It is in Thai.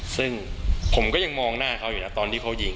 ซึ่งผมก็ยังมองหน้าเขาอยู่นะตอนที่เขายิง